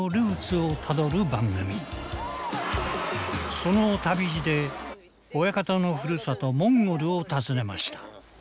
その旅路で親方のふるさとモンゴルを訪ねました。